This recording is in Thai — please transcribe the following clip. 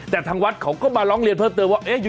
แต่ทางวัดเขาก็มาร้องเรียนเพิ่มเติมว่า